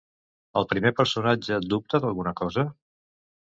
El primer personatge dubta d'alguna cosa?